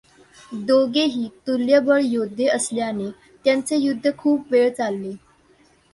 दोघेही तुल्यबळ योद्धे असल्याने त्यांचे युद्ध खूप वेळ चालले.